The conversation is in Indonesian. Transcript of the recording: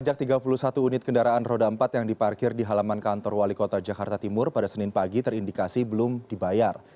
pajak tiga puluh satu unit kendaraan roda empat yang diparkir di halaman kantor wali kota jakarta timur pada senin pagi terindikasi belum dibayar